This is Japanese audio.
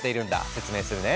説明するね。